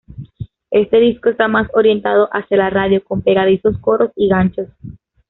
Este disco está más orientado hacia la radio, con pegadizos coros y ganchos.